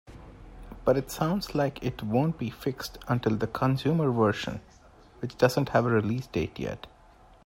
But it sounds like it won't be fixed until the consumer version, which doesn't have a release date yet.